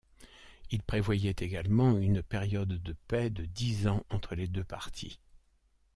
Il prévoyait également une période de paix de dix ans entre les deux parties.